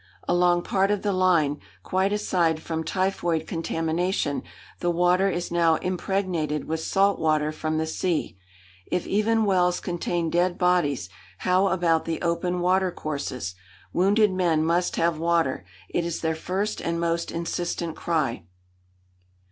Along part of the line, quite aside from typhoid contamination, the water is now impregnated with salt water from the sea. If even wells contain dead bodies, how about the open water courses? Wounded men must have water. It is their first and most insistent cry.